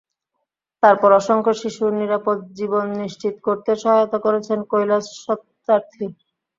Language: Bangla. তারপর অসংখ্য শিশুর নিরাপদ জীবন নিশ্চিত করতে সহায়তা করেছেন কৈলাস সত্যার্থী।